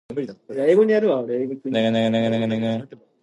Children would then make their clothing from scraps of fabric.